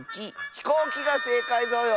「ひこうき」がせいかいぞよ！